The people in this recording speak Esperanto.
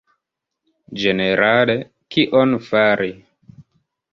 Ĝenerale, kion fari?